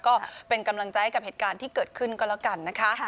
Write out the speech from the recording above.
ก็เป็นกำลังใจกับเหตุการณ์ที่เกิดขึ้นก็แล้วกันนะคะ